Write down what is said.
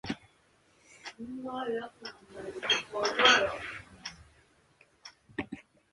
岐阜県本巣市